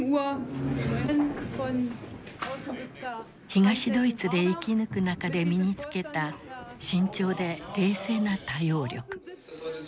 東ドイツで生き抜く中で身に付けた慎重で冷静な対応力。